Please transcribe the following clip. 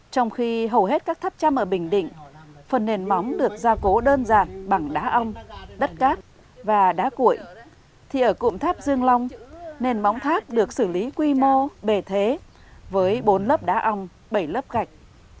trong khi hầu hết các tháp chăm ở bình định phần nền móng được gia cố đơn giản bằng đá ong đất cát và đá cụi thì ở cụm tháp dương long nền móng tháp được xử lý quy mô bề thế với bốn lớp đá ong bảy lớp gạch